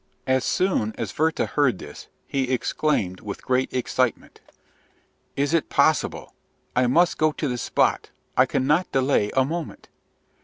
As soon as Werther heard this, he exclaimed with great excitement, "Is it possible! I must go to the spot I cannot delay a moment!"